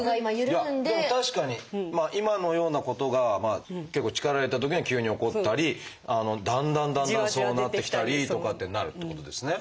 でも確かに今のようなことが結構力を入れたときには急に起こったりだんだんだんだんそうなってきたりとかってなるってことですね。